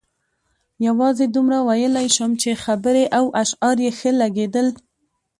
یوازې دومره ویلای شم چې خبرې او اشعار یې ښه لګېدل.